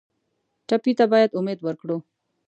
ټپي ته باید امید ورکړو.